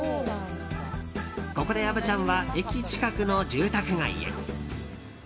ここで虻ちゃんは駅近くの住宅街へ。